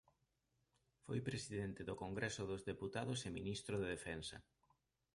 Foi presidente do Congreso dos Deputados e ministro de Defensa.